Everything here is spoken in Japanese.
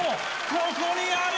ここにあり！